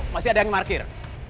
masih ada yang markir